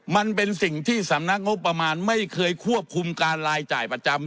มันเป็นสิ่งที่สำนักงบประมาณไม่เคยควบคุมการรายจ่ายประจำ